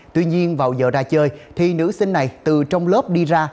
tuy nhiên vào giờ ra chơi thì nữ sinh này từ trong lớp đi ra